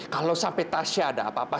kalau sampai tasya ada apa apa